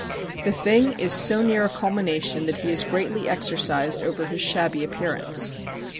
The thing is so near a culmination that he is greatly exercised over his shabby appearance.